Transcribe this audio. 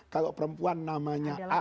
kalau perempuan namanya a